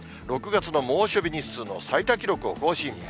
６月の猛暑日日数の最多記録を更新。